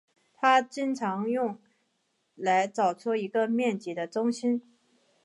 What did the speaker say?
它经常用来找出一个面积的中心。